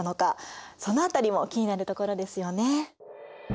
その辺りも気になるところですよね。